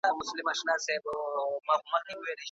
فکري تنوع په ټولنه کي د نويو نظريو د پيدا کېدو لامل ګرځي.